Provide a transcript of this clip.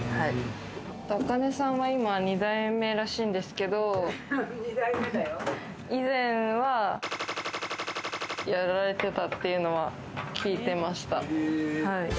あかねさんは今、二代目らしいんですけど以前はやられてたっていうのは、聞いてました。